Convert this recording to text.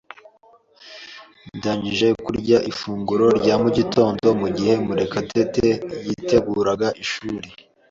Ndangije kurya ifunguro rya mu gitondo mugihe Murekatete yiteguraga ishuri.